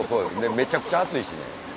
めちゃくちゃ暑いしね。